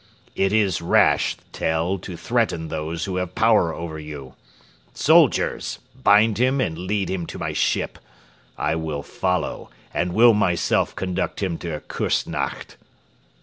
It is rash, Tell, to threaten those who have power over you. Soldiers, bind him and lead him to my ship. I will follow, and will myself conduct him to Küssnacht."